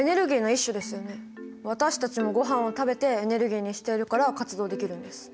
私たちもごはんを食べてエネルギーにしているから活動できるんです。